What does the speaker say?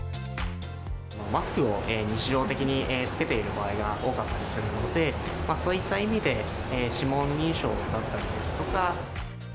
今、マスクを日常的に着けている場合が多かったりするので、そういった意味で指紋認証だったりですとか。